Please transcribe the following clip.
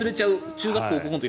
中学校、高校の時